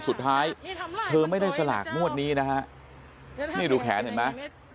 สุดท้ายเธอไม่ได้สลากนิดหน่ามีลูกแขนเห็นมั้ย